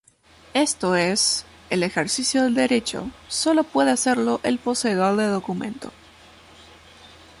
Esto es, el ejercicio del derecho sólo puede hacerlo el poseedor del documento.